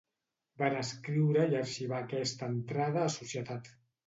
Van escriure i arxivar aquesta entrada a Societat.